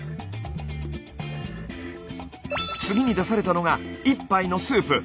次に出されたのが１杯のスープ。